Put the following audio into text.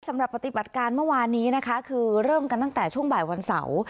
สำหรับปฏิบัติการเมื่อวานนี้นะคะคือเริ่มกันตั้งแต่ช่วงบ่ายวันเสาร์